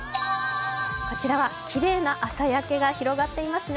こちらはきれいな朝焼けが広がっていますね。